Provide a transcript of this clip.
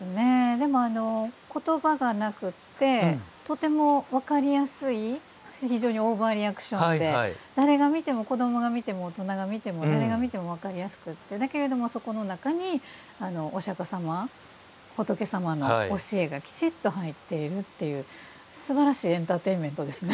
でも、言葉がなくってとても分かりやすい非常にオーバーリアクションで誰が見ても、子どもが見ても大人が見ても、誰が見ても分かりやすくてだけれども、そこの中にお釈迦様、仏様の教えがきちっと入っているというすばらしいエンターテインメントですね。